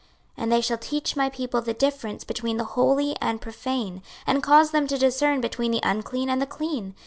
26:044:023 And they shall teach my people the difference between the holy and profane, and cause them to discern between the unclean and the clean.